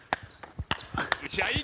打ち合い。